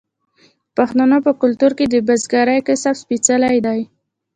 د پښتنو په کلتور کې د بزګرۍ کسب سپیڅلی دی.